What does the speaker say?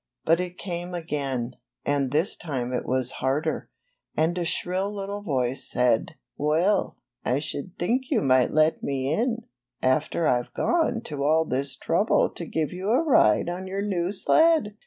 But it came again, and this time it was harder; and a shrill little voice said, ^Well, I should think you might let me in, after I Ve gone to all this trouble to give you a ride on your new sled."